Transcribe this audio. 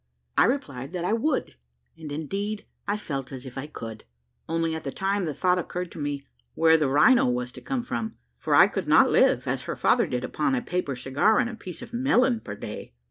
I replied that I would; and, indeed, I felt as if I could, only at the time the thought occurred to me where the rhino was to come from, for I could not live, as her father did, upon a paper cigar and a piece of melon per day.